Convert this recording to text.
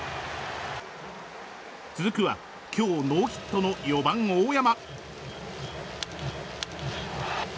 続くは今日ノーヒットの４番、大山。